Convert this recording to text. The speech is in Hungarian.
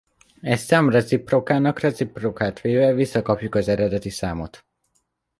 Egy szám reciprokának reciprokát véve visszakapjuk az eredeti számot.